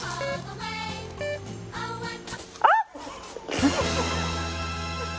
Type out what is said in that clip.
・あっ！